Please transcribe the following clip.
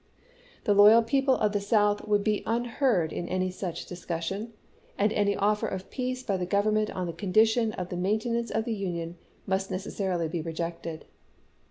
The loyal people of the South would be unheard in any such discussion, and any offer of peace by the Government on the condition of the maintenance of the Union must necessarily be rejected.